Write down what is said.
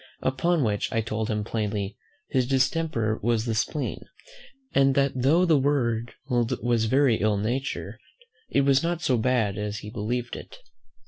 Upon which I told him plainly, "his distemper was the spleen; and that though the world was very ill natured, it was not so bad as he believed it."